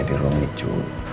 di ruang nijo